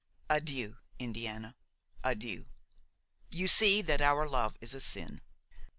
Adieu, Indiana, adieu! You see that our love is a sin!